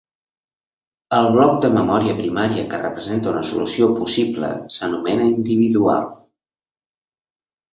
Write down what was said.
El bloc de memòria primària que representa una solució possible s'anomena individual.